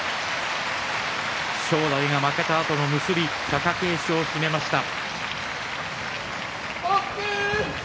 正代が負けたあとの結び貴景勝、締めました。